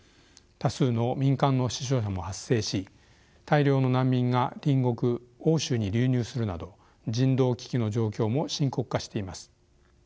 多数の民間の死傷者も発生し大量の難民が隣国欧州に流入するなど人道危機の状況も深刻化しています。